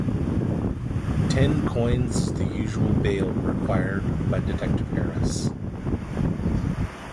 Ten coins is the usual bail required by Detective Harris.